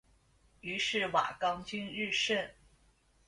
于是瓦岗军日盛。